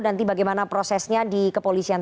nanti bagaimana prosesnya di kepolisian